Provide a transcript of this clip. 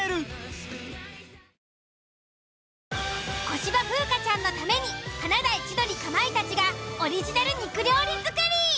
小芝風花ちゃんのために華大千鳥かまいたちがオリジナル肉料理作り。